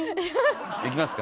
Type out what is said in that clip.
いきますか？